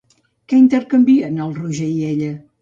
Què intercanvien el Roger i ella?